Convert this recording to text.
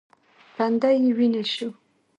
تندی یې ویني شو .